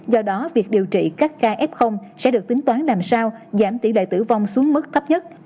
do đó việc điều trị các ca f sẽ được tính toán làm sao giảm tỷ lệ tử vong xuống mức thấp nhất